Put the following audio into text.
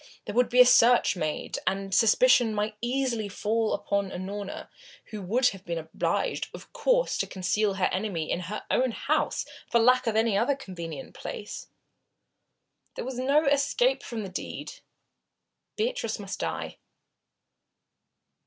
There would be a search made, and suspicion might easily fall upon Unorna, who would have been obliged, of course, to conceal her enemy in her own house for lack of any other convenient place. There was no escape from the deed. Beatrice must die.